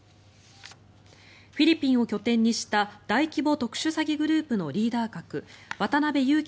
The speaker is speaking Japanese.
フィリピンを拠点にした大規模特殊詐欺グループのリーダー格渡邉優樹